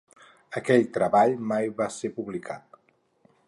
Aquell treball mai va ser publicat.